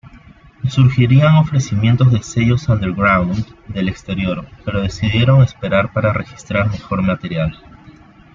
Surgirían ofrecimientos de Sellos underground del exterior, pero decidieron esperar para registrar mejor material.